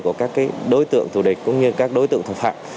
của các cái đối tượng thủ đức cũng như các đối tượng thủ phạm